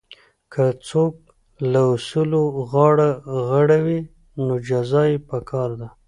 که څوک له اصولو غاړه غړوي نو جزا یې پکار ده.